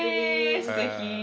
すてき！